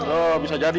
oh bisa jadi